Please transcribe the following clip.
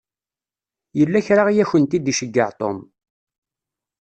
Yella kra i akent-id-iceyyeɛ Tom.